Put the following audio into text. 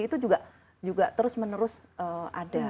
itu juga terus menerus ada